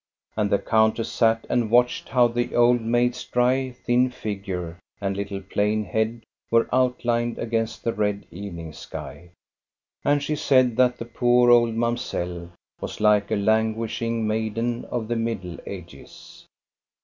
And the countess sat and watched how the old maid's dry, thin figure and little plain head were outlined against the red evening sky, and she said that the poor old Mamselle was like a lan guishing maiden of the Middle Ages.